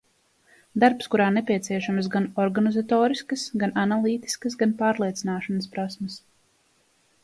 Darbs, kurā nepieciešamas gan organizatoriskas, gan analītiskas, gan pārliecināšanas prasmes.